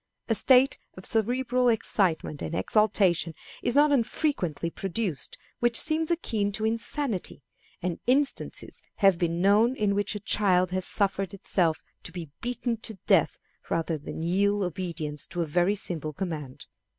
A state of cerebral excitement and exaltation is not unfrequently produced which seems akin to insanity, and instances have been known in which a child has suffered itself to be beaten to death rather than yield obedience to a very simple command.